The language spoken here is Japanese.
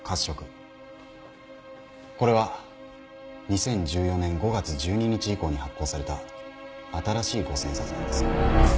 これは２０１４年５月１２日以降に発行された新しい五千円札なんですよ。